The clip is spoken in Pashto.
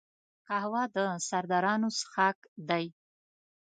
قهوه د سردارانو څښاک دی